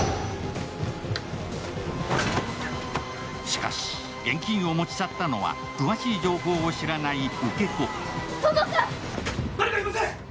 しかし、現金を持ち去ったのは詳しい情報を知らない受け子。